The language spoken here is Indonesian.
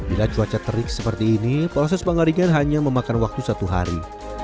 bila cuaca terik seperti ini proses pengeringan hanya memakan waktu satu hari